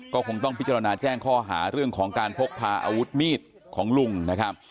ก็คงต้องพิจารณาแจ้งข้อหาเรื่องของการพกพาอาวุธมีดของลุงนะครับ